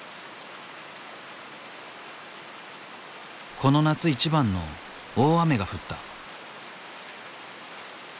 この夏一番の大雨が降った。